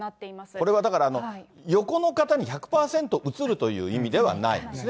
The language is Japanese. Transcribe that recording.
これはだから、横の方に１００％うつるという意味ではないですね。